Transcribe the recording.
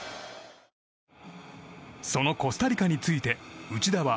そのコスタリカについて内田は。